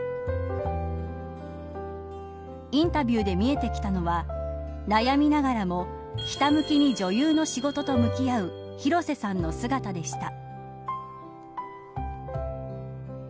インタビューで見えてきたのは悩みながらもひたむきに女優の仕事と向き合う広瀬さんの姿でした。